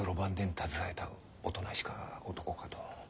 携えたおとなしか男かと。